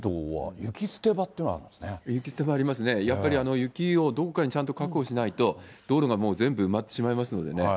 雪捨て場ありますね、やっぱり雪をどこかにちゃんと確保しないと、道路がもう全部埋まってしまいますのでね。